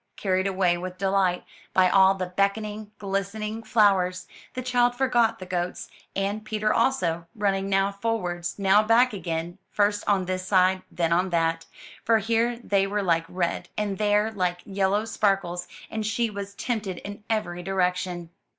Carried away with delight by all the beckoning, glistening flowers, the child forgot the goats, and Peter also, running now forwards, now back again; first on this side, then on that; for here they were like red, and there like yellow sparkles, and she was tempted in every direction.